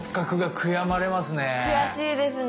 悔しいですね。